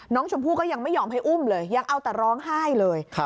น้องชมพู่ก็ยังไม่ยอมให้อุ้มเลยยังเอาแต่ร้องไห้เลย